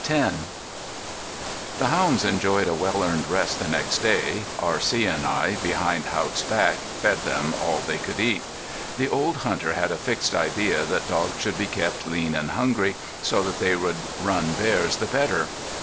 IX The hounds enjoyed a well earned rest the next day. R.C. and I, behind Haught's back, fed them all they could eat. The old hunter had a fixed idea that dogs should be kept lean and hungry so they would run bears the better.